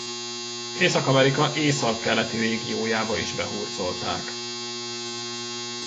Észak-Amerika északkeleti régiójába is behurcolták.